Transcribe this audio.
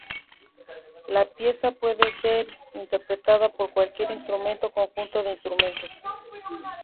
La pieza puede ser interpretada por cualquier instrumento o conjunto de instrumentos.